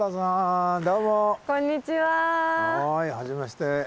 はいはじめまして。